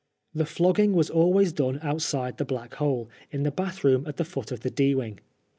The flogging was always done outside the black hole, in the bath room at the foot of the D wing.